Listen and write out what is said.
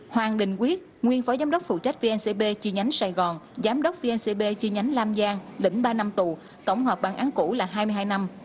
hoàng đình quyết nguyên phó giám đốc phụ trách vncb chi nhánh sài gòn giám đốc vncb chi nhánh lam giang lĩnh ba năm tù tổng hợp bản án cũ là hai mươi hai năm